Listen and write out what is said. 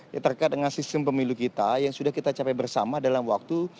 ya terkait dengan sistem pemilu kita yang sudah kita capai bersama dalam waktu